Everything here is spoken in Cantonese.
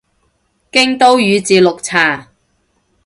京都宇治綠茶